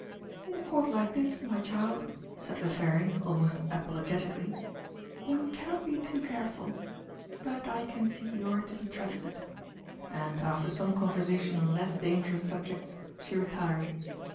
"In a Court like this, my child," said the Fairy, almost apologetically, "one cannot be too careful. But I can see you are to be trusted." And, after some conversation on less dangerous subjects, she retired.